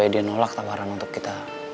dia nolak tawaran untuk kita